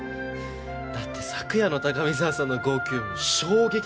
だって昨夜の高見沢さんの号泣衝撃だったんで。